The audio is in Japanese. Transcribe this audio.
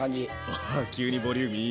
アハッ急にボリューミー。